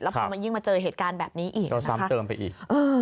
พอมันยิ่งมาเจอเหตุการณ์แบบนี้อีกก็ซ้ำเติมไปอีก